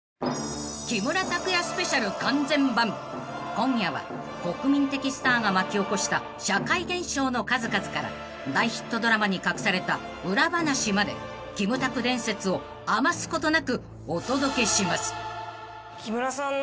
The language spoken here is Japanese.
［今夜は国民的スターが巻き起こした社会現象の数々から大ヒットドラマに隠された裏話までキムタク伝説を余すことなくお届けします］